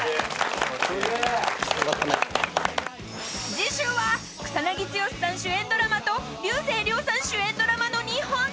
［次週は草剛さん主演ドラマと竜星涼さん主演ドラマの２本立て！